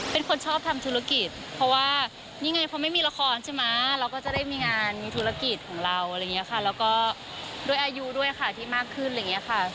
เป็นคนชอบทำธุรกิจเพราะว่านี่ไงเพราะไม่มีละครใช่ไหมเราก็จะได้มีงานมีธุรกิจของเราอะไรอย่างนี้ค่ะแล้วก็ด้วยอายุด้วยค่ะที่มากขึ้นอะไรอย่างนี้ค่ะ